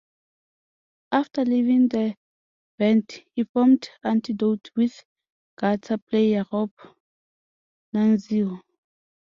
After leaving the band he formed Antidote with guitar player Robb Nunzio.